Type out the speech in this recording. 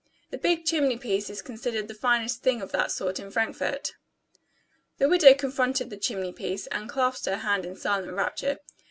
The big chimney piece is considered the finest thing of that sort in Frankfort." The widow confronted the chimney piece, and clasped her hands in silent rapture.